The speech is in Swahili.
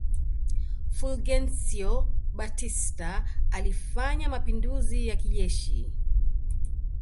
Fulgencio Batista alifanya mapinduzi ya kijeshi